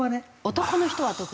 男の人は特にね。